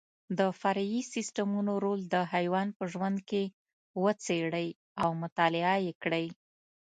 د فرعي سیسټمونو رول د حیوان په ژوند کې وڅېړئ او مطالعه یې کړئ.